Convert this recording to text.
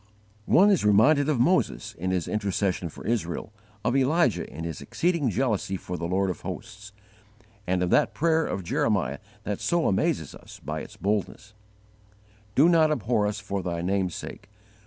'" One is reminded of Moses in his intercession for Israel, of Elijah in his exceeding jealousy for the Lord of hosts, and of that prayer of Jeremiah that so amazes us by its boldness: "Do not abhor us for Thy name's sake!